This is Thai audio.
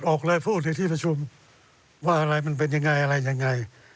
จัดออกรายผู้ในที่ประชุมว่าอะไรมันเป็นอย่างไรอะไรอย่างไร